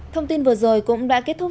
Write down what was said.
thông tin vừa rồi cũng đã kết thúc